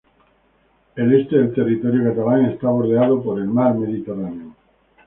El este del territorio catalán está bordeado por el mar Mediterráneo.